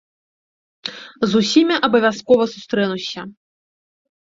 З усімі абавязкова сустрэнуся.